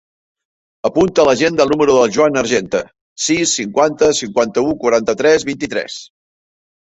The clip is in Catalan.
Apunta a l'agenda el número del Joan Argente: sis, cinquanta, cinquanta-u, quaranta-tres, vint-i-tres.